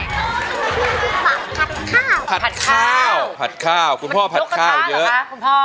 คุณพ่อผัดข้าวผัดข้าวผัดข้าวคุณพ่อผัดข้าวอยู่เยอะ